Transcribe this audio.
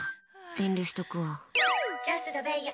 遠慮しとくわ。